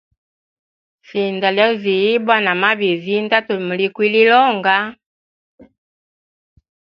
Sinda lyozi ibwa namabizi ndatumulikilila onga.